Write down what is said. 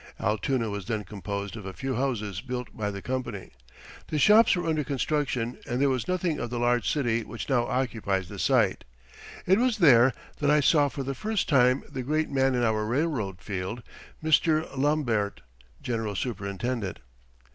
Altoona was then composed of a few houses built by the company. The shops were under construction and there was nothing of the large city which now occupies the site. It was there that I saw for the first time the great man in our railroad field Mr. Lombaert, general superintendent.